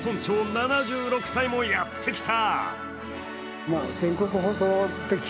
７６歳もやってきた。